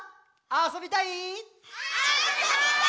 あそびたい！